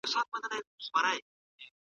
دوی وویل چې موږ باید دباندنۍ نړۍ وپېژنو.